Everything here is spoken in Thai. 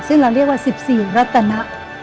ซึ่งเราเรียกว่า๑๔รัตนะ